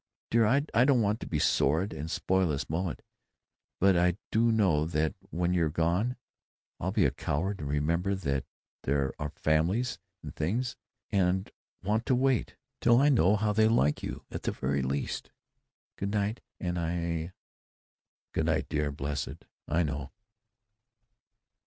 Dear, I don't want to be sordid and spoil this moment, but I do know that when you're gone I'll be a coward and remember that there are families and things, and want to wait till I know how they like you, at the very least. Good night, and I——" "Good night, dear blessed. I know."